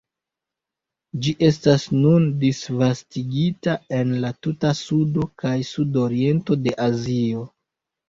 Ĝi estas nun disvastigita en la tuta sudo kaj sudoriento de Azio.